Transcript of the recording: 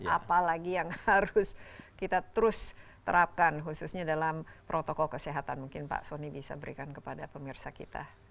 apalagi yang harus kita terus terapkan khususnya dalam protokol kesehatan mungkin pak soni bisa berikan kepada pemirsa kita